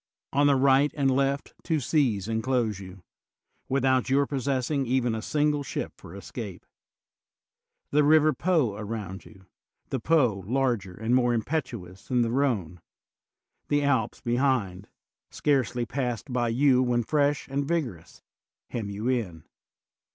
On the right and left two seas enclose you, without your possessing even a single ship for escape. The river Po aground you, the Po larger and more impetuous than the Rhone ; the Alps behind, scarcely passed by you when fresh and vigorous, hem you in.